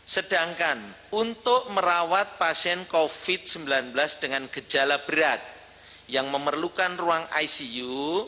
sedangkan untuk merawat pasien covid sembilan belas dengan gejala berat yang memerlukan ruang icu